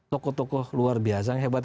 tokoh tokoh luar biasa yang hebat